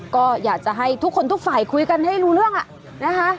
ก็อยากจะให้ทุกคนทุกฝ่ายคุยกันให้รู้เรื่องนะคะ